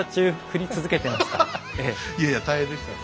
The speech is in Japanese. いやいや大変でした。